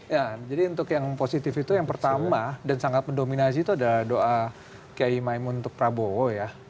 ya jadi untuk yang positif itu yang pertama dan sangat mendominasi itu adalah doa kiai maimun untuk prabowo ya